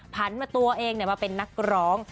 ผ่านมาตัวเองมาเป็นนักร้อง